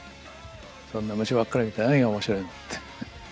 そんな虫ばっかり見て何が面白いのって。